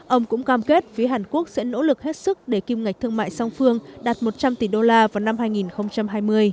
ông cũng cam kết phía hàn quốc sẽ nỗ lực hết sức để kim ngạch thương mại song phương đạt một trăm linh tỷ đô la vào năm hai nghìn hai mươi